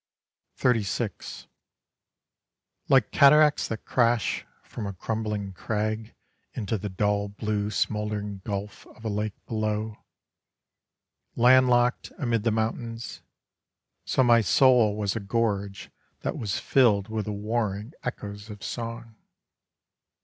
XXXVI Like cataracts that crash from a crumbling crag Into the dull blue smouldering gulf of a lake below, Landlocked amid the mountains, so my soul Was a gorge that was filled with the warring echoes of song.